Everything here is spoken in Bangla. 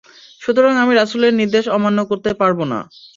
সুতরাং আমি রাসূলের নির্দেশ অমান্য করতে পারব না।